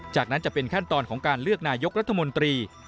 จากนั้นจะเป็นขั้นตอนของการเลือกนายกรัฐมนตรี